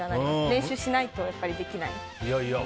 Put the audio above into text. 練習しないとやっぱりできない。